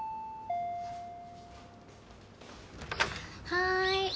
・はい。